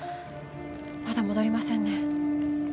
まだ戻りませんね